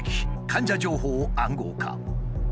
患者情報を暗号化。